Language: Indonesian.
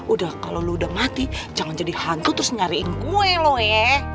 udah kalo lo udah mati jangan jadi hangga terus nyariin gue lo ye